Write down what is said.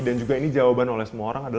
dan ini juga jawaban oleh semua orang